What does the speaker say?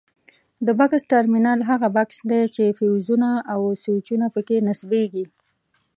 د بکس ټرمینل هغه بکس دی چې فیوزونه او سویچونه پکې نصبیږي.